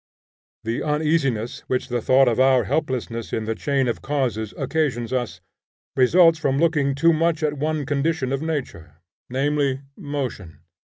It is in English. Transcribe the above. The uneasiness which the thought of our helplessness in the chain of causes occasions us, results from looking too much at one condition of nature, namely, Motion.